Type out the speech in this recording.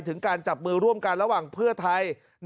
ถึงการจับมือร่วมกันระหว่างเพื่อไทย